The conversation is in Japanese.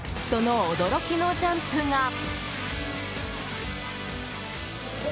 その驚きのジャンプが。